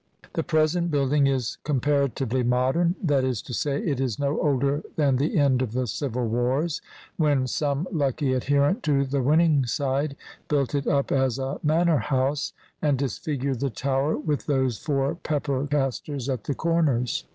The present building is comparatively modern; that is to say, it is no older than the end of the Civil Wars, when some lucky adherent to the winning side built it up as a manor house and disfigured the tower with those four pepper castors at the corners.